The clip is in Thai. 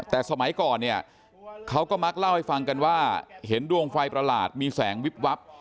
แต่สมัยก่อนเนี่ยเขาก็มักเล่าให้ฟังกันว่าเห็นดวงไฟประหลาดมีแสงวิบวับ